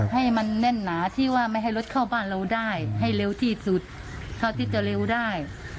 ให้มันแน่นหนาที่ว่าไม่ให้รถเข้าบ้านเราได้ให้เร็วที่สุดเท่าที่จะเร็วได้